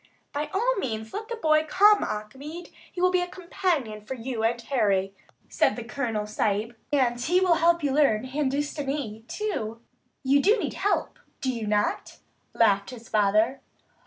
"By all means let the boy come, Achmed. He will be a companion for you, Harry," said the Colonel Sahib. "And he will help you learn Hindustanee, too. You need help, do you not?" laughed his father.